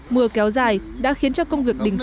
mưa kéo dài đã khiến cho công việc đình tr